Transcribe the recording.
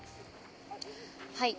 はい。